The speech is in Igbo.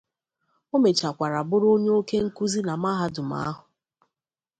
O mechakwara buru onye oke nkuzi na mahadum ahu.